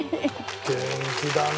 元気だね。